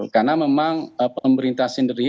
karena memang pemerintah sendiri